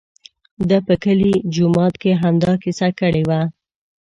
ده په کلي جومات کې همدا کیسه کړې وه.